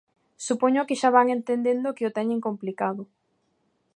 Supoño que xa van entendendo que o teñen complicado.